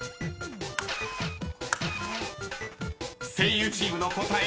［声優チームの答え